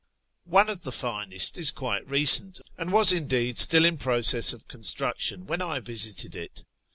One of the finest is quite recent, and was, indeed, still in process of construction when I visited it.